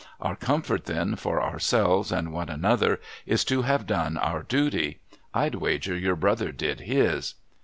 Our comfort, then, for ourselves and one another is to have done our duty. Fd wager your brother did his